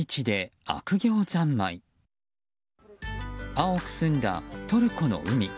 青く澄んだトルコの海。